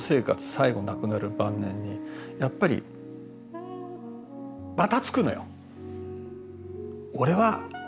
最後亡くなる晩年にやっぱりばたつくのよ。